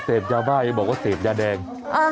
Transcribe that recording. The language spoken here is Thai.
เสพยาบ้ายังบอกว่าเสพยาแดง